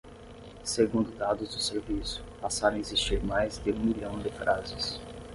Segundo dados do serviço, passaram a existir mais de um milhão de frases.